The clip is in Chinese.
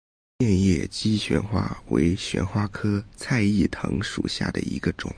变叶姬旋花为旋花科菜栾藤属下的一个种。